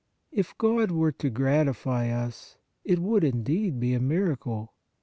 If God were to gratify us, it would, indeed, be a miracle!